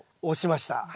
押しました。